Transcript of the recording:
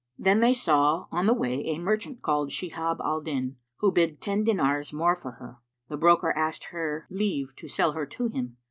Then they saw on the way a merchant called Shihab al Dín who bid ten dinars more for her, and the broker asked her leave to sell her to him.